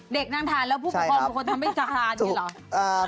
เด็กนั่งทานแล้วผู้ประคองเป็นคนทำไม่ทาน